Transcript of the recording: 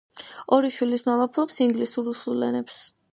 ორი შვილის მამა ფლობს ინგლისურ, რუსულ ენებს.